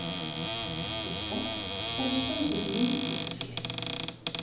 Wist wat, dan komst tongersdeitejûn oer in wike.